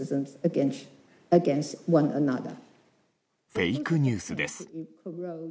フェイクニュースです。